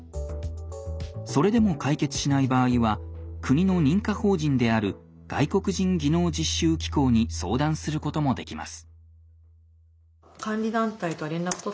それでも解決しない場合は国の認可法人である外国人技能実習機構に相談することもできます。